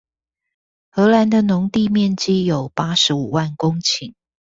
荷蘭的農地面積有八十五萬公頃